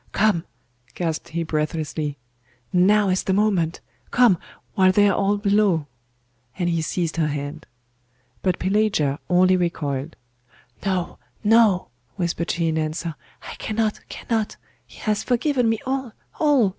'Come!' gasped he breathlessly. 'Now is the moment! Come, while they are all below!' and he seized her hand. But Pelagia only recoiled. 'No, no,' whispered she in answer, 'I cannot, cannot he has forgiven me all, all!